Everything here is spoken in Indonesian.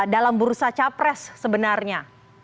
dalam bursa capres sebenarnya